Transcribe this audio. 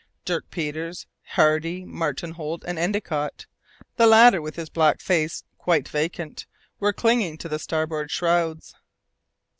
Dirk Peters, Hardy, Martin Holt and Endicott, the latter with his black face quite vacant, were clinging to the starboard shrouds.